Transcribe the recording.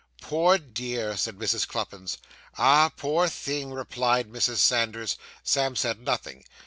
'Poor dear!' said Mrs. Cluppins. 'Ah, poor thing!' replied Mrs. Sanders. Sam said nothing.